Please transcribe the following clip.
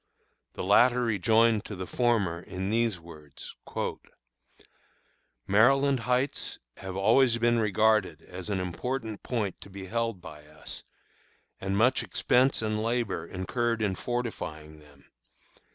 The latter rejoined to the former in these words: "Maryland Heights have always been regarded as an important point to be held by us, and much expense and labor incurred in fortifying them.